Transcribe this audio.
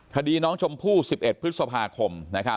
คดีน้องชมพู่๑๑พฤษภาคม